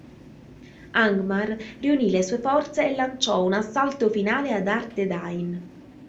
Angmar riunì le sue forze e lanciò un assalto finale ad Arthedain.